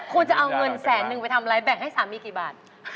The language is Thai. คุณจะเอาเงินแสนนึงไปทำอะไรแบ่งให้สามีกี่บาท